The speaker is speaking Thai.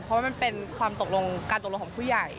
เพราะว่ามันเป็นการตกลงของผู้ใหญ่